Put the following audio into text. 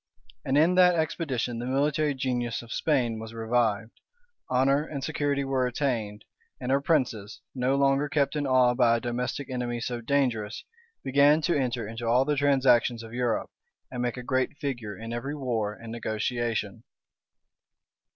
And in that expedition the military genius of Spain was revived; honor and security were attained; and her princes, no longer kept in awe by a domestic enemy so dangerous, began to enter into all the transactions of Europe, and make a great figure in every war and negotiation.